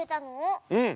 うん。